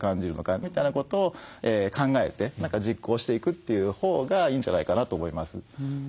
みたいなことを考えて何か実行していくというほうがいいんじゃないかなと思います。